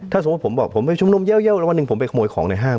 ถ้าสมมุติผมบอกผมไปชุมนุมเยอะแล้ววันหนึ่งผมไปขโมยของในห้าง